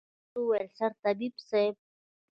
ډاکتر وويل سرطبيب صايب.